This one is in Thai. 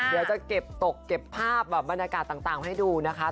เดี๋ยวจะเก็บตกเก็บภาพแบบบรรยากาศต่างให้ดูนะคะ